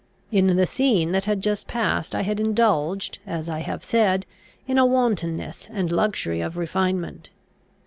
In the scene that had just passed I had indulged, as I have said, in a wantonness and luxury of refinement.